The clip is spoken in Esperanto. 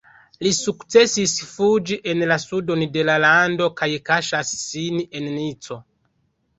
Li sukcesis fuĝi en la sudon de la lando kaj kaŝas sin en Nico.